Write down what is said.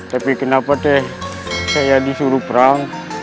tapi kenapa saya disuruh perang